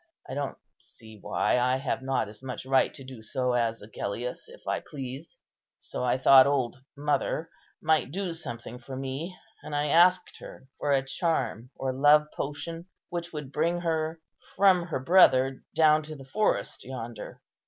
I don't see why I have not as much right to do so as Agellius, if I please. So I thought old mother might do something for me; and I asked her for a charm or love potion, which would bring her from her brother down to the forest yonder.